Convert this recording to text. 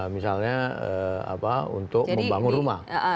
misalnya untuk membangun rumah